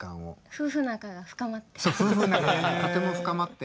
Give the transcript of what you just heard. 夫婦仲がとても深まって。